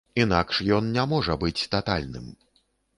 Інакш ён не можа быць татальным.